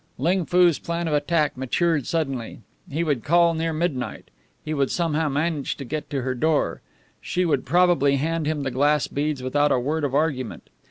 Ling Foo's plan of attack matured suddenly. He would call near midnight. He would somehow manage to get to her door. She would probably hand him the glass beads without a word of argument.